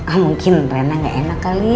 ah mungkin trennya gak enak kali